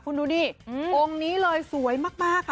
คุณดูนี่ฅงนี้เลยสวยมาก